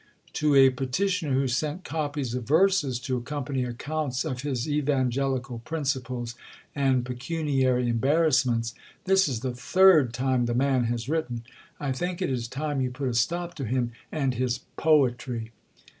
To a petitioner who sent copies of verses to accompany accounts of his evangelical principles and pecuniary embarrassments: "This is the third time the man has written. I think it is time you put a stop to him and his 'poetry.'"